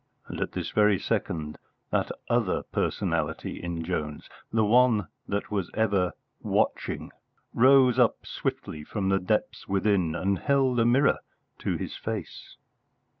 And at this very second that other personality in Jones the one that was ever watching rose up swiftly from the deeps within and held a mirror to his face.